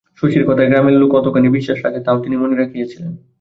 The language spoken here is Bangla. শশীর কথায় গ্রামের লোক কতখানি বিশ্বাস রাখে তাও তিনি মনে রাখিয়াছিলেন।